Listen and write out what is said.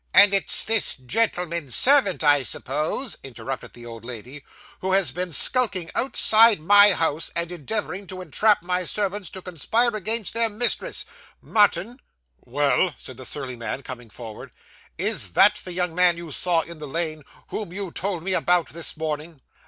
'And it's this gentleman's servant, I suppose,' interrupted the old lady, 'who has been skulking about my house, and endeavouring to entrap my servants to conspire against their mistress. Martin!' 'Well?' said the surly man, coming forward. 'Is that the young man you saw in the lane, whom you told me about, this morning?